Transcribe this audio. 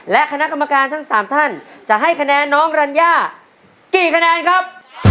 และคณะกรรมการทั้ง๓ท่านจะให้คะแนนน้องรัญญากี่คะแนนครับ